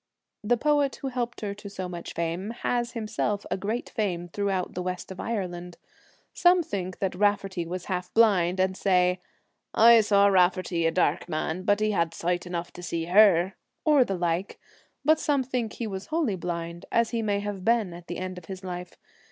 The poet who helped her to so much fame has himself a great fame throughout the west of Ireland. Some think that Raftery was half blind, and say, ' I saw Raftery, a dark man, but he had sight enough to see her,' or the like, but some think he was wholly blind, as he may have been at the end of his life.